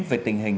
về tình hình